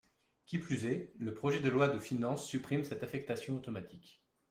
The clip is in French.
Qui plus est, le projet de loi de finances supprime cette affectation automatique.